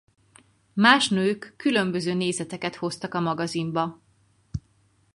Más nők különböző nézeteket hoztak a magazinba.